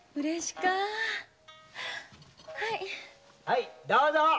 はいどうぞ。